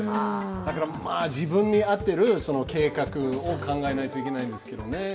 自分に合ってる計画を考えないといけないんですけどね。